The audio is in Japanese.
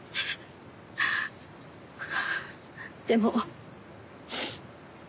でも。